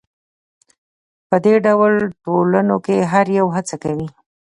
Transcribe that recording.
په دې ډول ټولنو کې هر یو هڅه کوي.